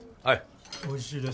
はい。